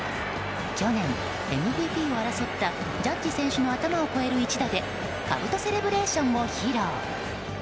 去年ＭＶＰを争ったジャッジ選手の頭を越える一打で兜セレブレーションを披露。